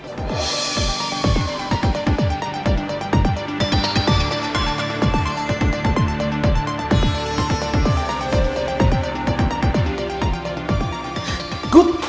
saat mereka baru makin luas